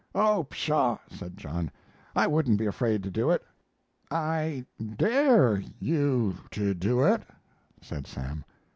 "Oh, pshaw!" said John. "I wouldn't be afraid to do it. "I dare you to do it," said Sam.